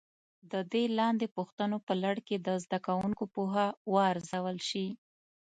د دې لاندې پوښتنو په لړ کې د زده کوونکو پوهه وارزول شي.